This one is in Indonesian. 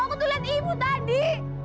aku tuh liat ibu tadi